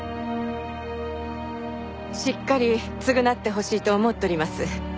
しっかり償ってほしいと思っとります。